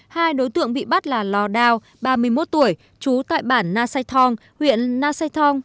hai đối tượng bị bắt là lò đào ba mươi một tuổi chú tại bản na say thong huyện na say thong